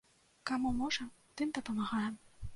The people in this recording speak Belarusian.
Каму можам, тым дапамагаем.